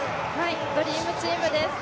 ドリームチームです